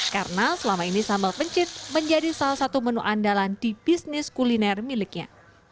karena selama ini sambal pencit menjadi salah satu menu andalan di bisnis kuliner miliknya